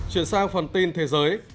chuyển sang phần tin thế giới